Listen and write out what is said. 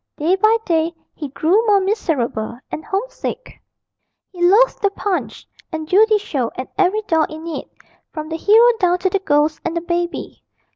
Day by day he grew more miserable and homesick. He loathed the Punch and Judy show and every doll in it, from the hero down to the ghost and the baby.